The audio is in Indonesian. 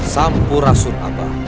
sampu rasul abah